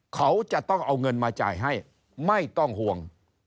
เขาจะต้องเอาเงินมาจ่ายให้ไม่ต้องห่วง